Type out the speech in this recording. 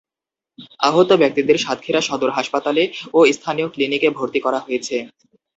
আহত ব্যক্তিদের সাতক্ষীরা সদর হাসপাতালে ও স্থানীয় ক্লিনিকে ভর্তি করা হয়েছে।